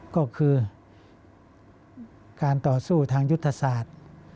ก็คือการต่อสู้ทางยุทธศาสตร์